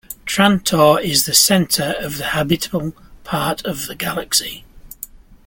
Trantor is in the center of the habitable part of the galaxy.